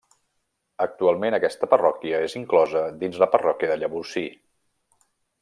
Actualment aquesta parròquia és inclosa dins la parròquia de Llavorsí.